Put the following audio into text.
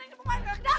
ada apaan sih